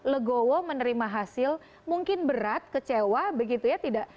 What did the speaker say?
legowo menerima hasil mungkin berat kecewa begitu ya